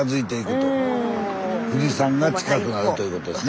富士山が近くなるということですね。